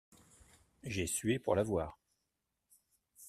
J'ai sué pour l'avoir.